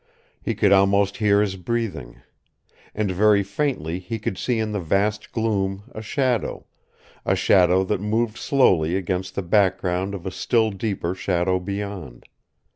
He could almost hear his breathing. And very faintly he could see in the vast gloom a shadow a shadow that moved slowly against the background of a still deeper shadow beyond.